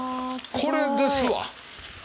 これですわ。